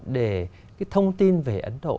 để cái thông tin về ấn độ